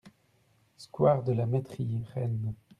Square de la Mettrie, Rennes